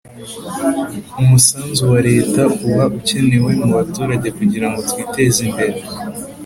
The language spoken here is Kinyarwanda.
Umusanzu wa Leta uba ukenewe mubaturage kugirango twiteze imbere